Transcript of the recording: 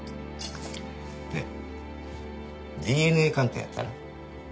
ねえＤＮＡ鑑定やったら？